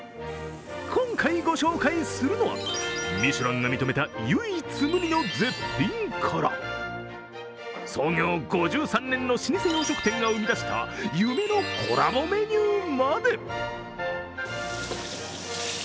今回ご紹介するのは、ミシュランが認めた唯一無二の絶品から、創業５３年の老舗洋食店が生み出した夢のコラボメニューまで。